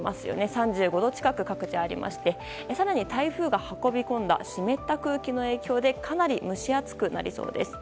３５度近く各地ありまして更に、台風が運び込んだ湿った空気の影響でかなり蒸し暑くなりそうです。